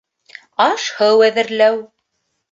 Аш-һыу әҙерләү